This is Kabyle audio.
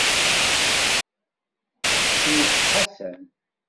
Wwet Ḥasan.